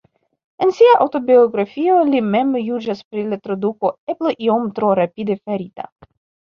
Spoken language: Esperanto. En sia aŭtobiografio li mem juĝas pri la traduko "eble iom tro rapide farita".